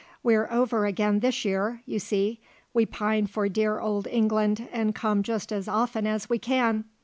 We're over again this year, you see; we pine for dear old England and come just as often as we can.